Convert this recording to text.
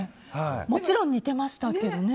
もちろん似ていましたけどね。